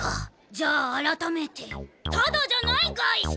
じゃああらためてただじゃない外出！